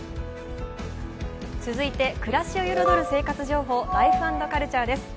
続いて、暮らしを彩る生活情報「ライフ＆カルチャー」です。